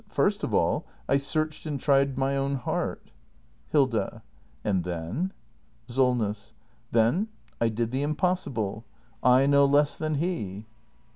First of all, I searched and tried my own heart Hilda. And then ? Solness. Then I did the i m p o s s i b 1 e — I no less than h e.